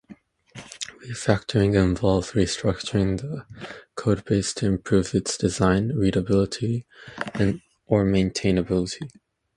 Refactoring involves restructuring the codebase to improve its design, readability, or maintainability.